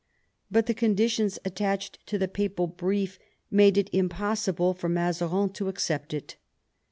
But the conditions attached to the papal brief made it impossible for Mazarin to accept it.